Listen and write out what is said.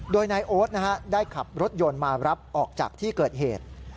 โดยนายโอ๊ตได้ขับรถยนต์มารับออกจากที่เกิดเหตุ